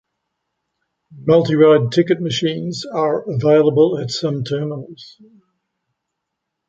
Multi-ride ticket machines are available at some terminals.